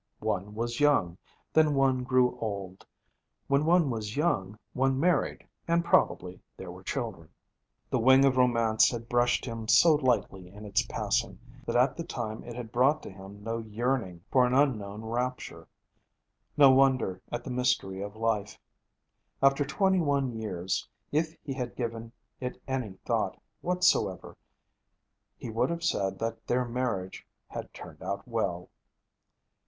One was young. Then one grew old. When one was young, one married, and probably there were children. The wing of romance had brushed him so lightly in its passing, that at the time it had brought to him no yearning for an unknown rapture, no wonder at the mystery of life. After twenty one years, if he had given it any thought whatsoever, he would have said that their marriage 'had turned out well.'